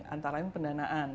antara lain pendanaan